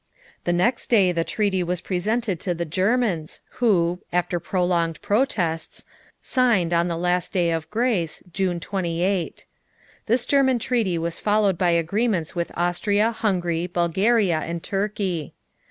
The next day the treaty was presented to the Germans who, after prolonged protests, signed on the last day of grace, June 28. This German treaty was followed by agreements with Austria, Hungary, Bulgaria, and Turkey.